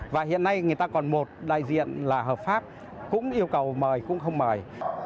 và hiện nay người ta còn một đại diện là hợp pháp cũng yêu cầu mời cũng không mời